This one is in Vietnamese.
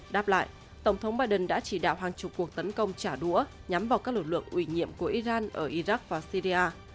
đáp lại tổng thống biden đã chỉ đạo hàng chục cuộc tấn công trả đũa nhắm vào các lực lượng ủy nhiệm của iran ở iraq và syria